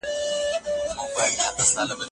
ماوې ختمي به سي شپې د پردېسیو، نصیب نه وو